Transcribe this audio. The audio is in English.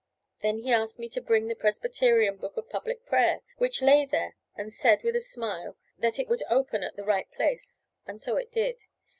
Then he asked me to bring the Presbyterian "Book of Public Prayer" which lay there, and said, with a smile, that it would open at the right place and so it did.